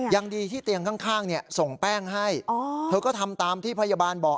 ยังดีที่เตียงข้างส่งแป้งให้เธอก็ทำตามที่พยาบาลบอก